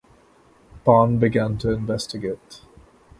Paan began to investigate.